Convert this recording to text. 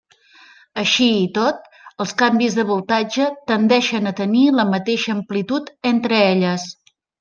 Així i tot, els canvis de voltatge tendeixen a tenir la mateixa amplitud entre elles.